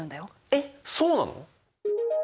えっそうなの！？